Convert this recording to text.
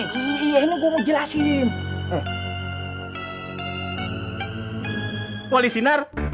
iya ini gua mau jelasin